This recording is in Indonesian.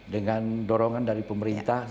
dengan dorongan dari pemerintah